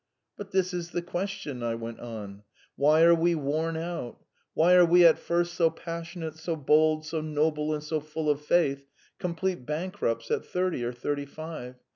"But this is the question," I went on. "Why are we worn out? Why are we, at first so passionate so bold, so noble, and so full of faith, complete bankrupts at thirty or thirty five?